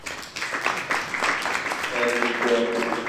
اتفاق کي قوت دی.